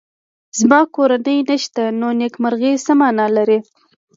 زما کورنۍ نشته نو نېکمرغي څه مانا لري